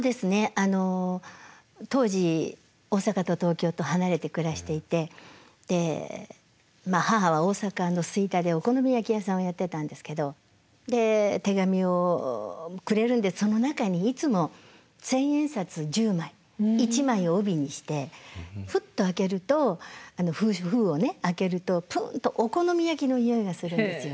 あの当時大阪と東京と離れて暮らしていてでまあ母は大阪の吹田でお好み焼き屋さんをやってたんですけどで手紙をくれるんでその中にいつも千円札１０枚１枚を帯にしてふっと開けると封をね開けるとプンとお好み焼きのにおいがするんですよ。